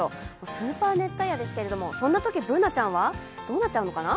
スーパー熱帯夜ですけれどもそんなときＢｏｏｎａちゃんはどうなっちゃうのかな？